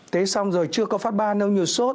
thế xong rồi chưa có phát ba nếu như sốt